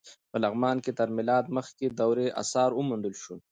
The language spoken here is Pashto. په لغمان کې تر میلاد مخکې دورې اثار وموندل شول.